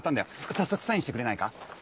早速サインしてくれないか？